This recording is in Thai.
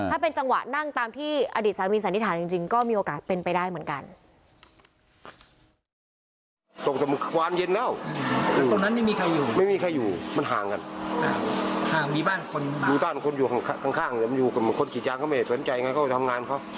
ถ้าเป็นจังหวะนั่งตามที่อดีตสามีสันนิษฐานจริงก็มีโอกาสเป็นไปได้เหมือนกัน